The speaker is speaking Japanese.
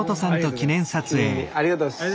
ありがとうございます。